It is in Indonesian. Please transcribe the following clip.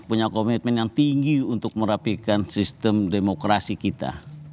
punya komitmen yang tinggi untuk merapikan sistem demokrasi kita